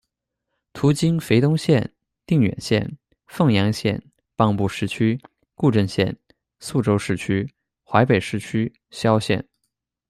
途经肥东县、定远县、凤阳县、蚌埠市区、固镇县、宿州市区、淮北市区、萧县。